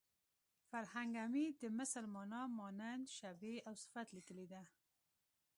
فرهنګ عمید د مثل مانا مانند شبیه او صفت لیکلې ده